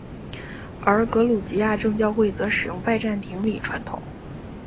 而格鲁吉亚正教会则使用拜占庭礼传统。